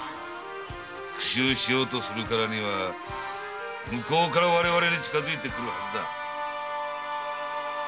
復讐しようとするからには向こうから我々に近づいてくるはずだ。